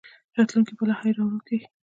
راتلونکی به لا حیرانوونکی وي.